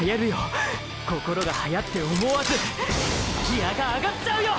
心が逸って思わずーーギアが上がっちゃうよ！！